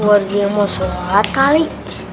buat dia mau sholat kali